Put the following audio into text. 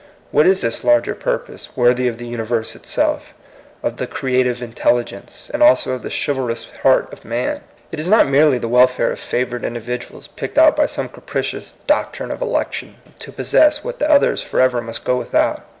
What is this larger purpose, worthy of the uni vei se itself, of the Creative Intelligence, and also of the chivalrous heart of man? It is not merely the welfare of favored individuals picked out by some capricious " doctrine of election," to possess what the others forever must go without.